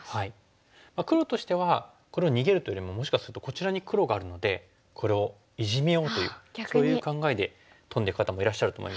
黒としてはこれを逃げるというよりももしかするとこちらに黒があるのでこれをイジメようというそういう考えでトンでいく方もいらっしゃると思います。